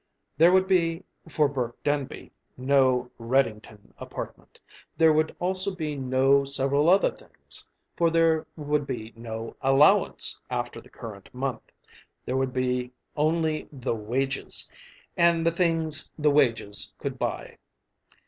There would be, for Burke Denby, no "Reddington apartment." There would also be no several other things; for there would be no "allowance" after the current month. There would be only the "wages," and the things the wages could buy.